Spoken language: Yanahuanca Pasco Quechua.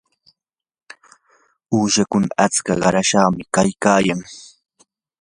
uushakuna atska qarashyuqmi kaykayan.